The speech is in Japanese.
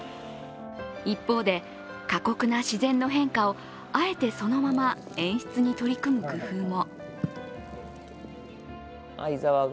一方で、過酷な自然の変化をあえてそのまま演出に取り組む工夫も。